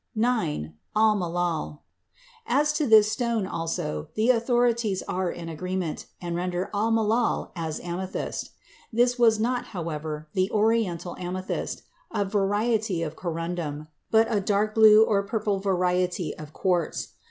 IX. Aḥlamah. [אַחְלָמָה.] As to this stone also, all the authorities are in agreement, and render aḥlamah by "amethyst." This was not, however, the Oriental amethyst, a variety of corundum, but a dark blue or purple variety of quartz.